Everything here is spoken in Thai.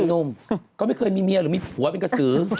หนุ่มก็ไม่เคยมีเมียหรือมีผัวเป็นกระสือ